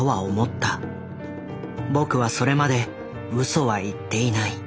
ぼくはそれまでウソは言っていない。